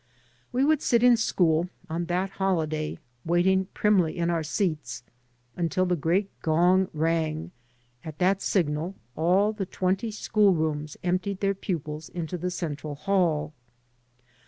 We would sit in school, on that holiday, waiting primly in our seats until the great gong rang; at that signal all the twenty school rooms emptied their pupils into the central hall.